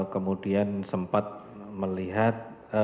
kemudian sempat melihat